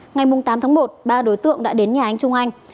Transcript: ngày tám tháng một ba đối tượng đã đến nhà anh trung anh